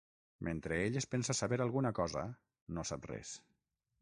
Mentre ell es pensa saber alguna cosa, no sap res.